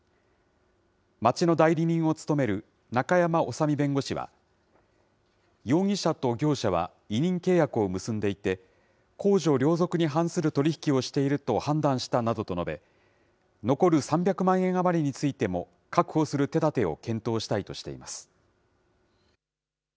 町の代理人を務める中山修身弁護士は、容疑者と業者は委任契約を結んでいて、公序良俗に反する取り引きをしていると判断したなどと述べ、残る３００万円余りについても、確保する手だてを検討したいとしています。